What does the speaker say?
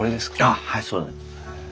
あっはいそうなんです。